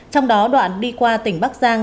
trong đó đoạn đi qua tỉnh bắc giang